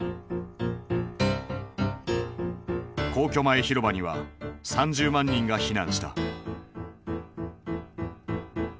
皇居前広場には３０万人が避難した。